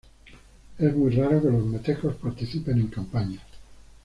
Es muy raro que los metecos participen en campañas.